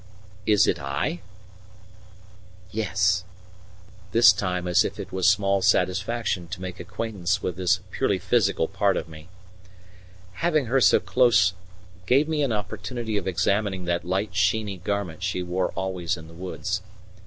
"Is it I?" "Yes." This time as if it was small satisfaction to make acquaintance with this purely physical part of me. Having her so close gave me an opportunity of examining that light sheeny garment she wore always in the woods.